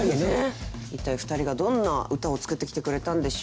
一体２人がどんな歌を作ってきてくれたんでしょうか。